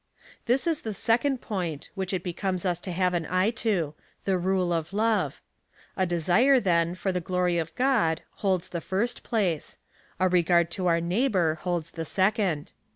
This is the second point, which it becomes us to have an eye to — the rule of love. A desire, then, for the glory of God, holds the first place ; a regard to our neighbour holds the second.